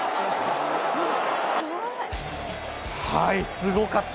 すごかった！